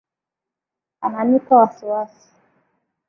Ananipa wasiwasi